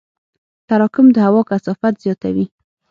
تراکم د هوا کثافت زیاتوي.